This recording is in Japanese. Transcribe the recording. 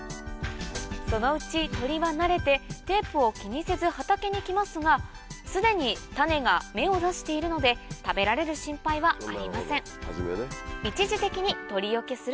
そのうち鳥は慣れてテープを気にせず畑に来ますが既に種が芽を出しているので食べられる心配はありません